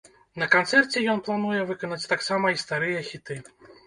На канцэрце ён плануе выканаць таксама і старыя хіты.